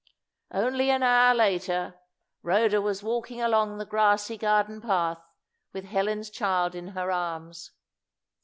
Only an hour later, Rhoda was walking along the grassy garden path with Helen's child in her arms.